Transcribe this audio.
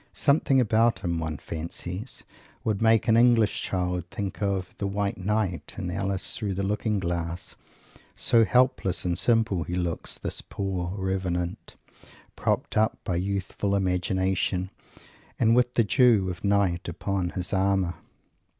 Something about him, one fancies, would make an English child think of the "White Knight" in Alice Through the Looking Glass, so helpless and simple he looks, this poor "Revenant," propped up by Youthful Imagination, and with the dews of night upon his armour.